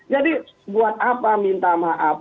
jadi buat apa minta maaf